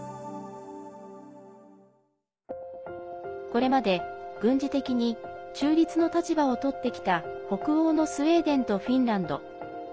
これまで軍事的に中立の立場をとってきた北欧のスウェーデンとフィンランド。